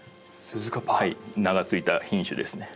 名が付いた品種ですね。